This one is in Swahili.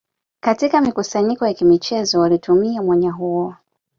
Katika mikusanyiko ya kimichezo walitumia mwanya huo